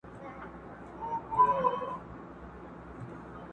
د آبادۍ د کرارۍ او د ښارونو کیسې،